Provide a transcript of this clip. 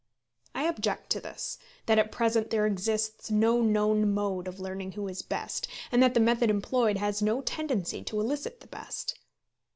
I object to this, that at present there exists no known mode of learning who is best, and that the method employed has no tendency to elicit the best.